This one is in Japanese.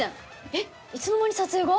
えっいつの間に撮影が？